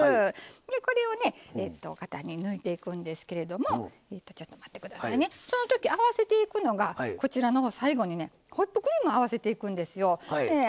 これをね、型に抜いていくんですけどそのとき、あわせていくのが最後にホイップクリームを合わせていくんですよ。